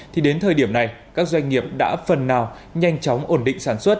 thì đến thời điểm này các doanh nghiệp đã phần nào nhanh chóng ổn định sản xuất